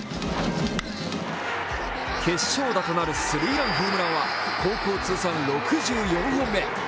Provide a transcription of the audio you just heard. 決勝打となるスリーランホームランは高校通算６４本目。